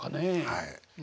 はい。